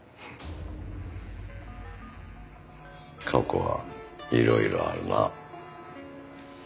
過去はいろいろあるな。